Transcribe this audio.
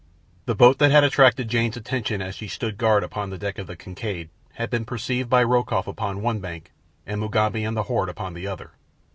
The boat that had attracted Jane's attention as she stood guard upon the deck of the Kincaid had been perceived by Rokoff upon one bank and Mugambi and the horde upon the other.